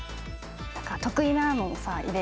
得意なのをさ入れようよ。